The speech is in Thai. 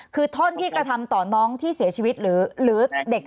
คือท่อนที่กระทำต่อน้องที่เสียชีวิตหรือเด็กทั้งสองคนคะ